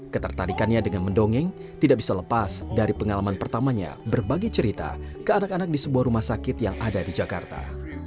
ketertarikannya dengan mendongeng tidak bisa lepas dari pengalaman pertamanya berbagi cerita ke anak anak di sebuah rumah sakit yang ada di jakarta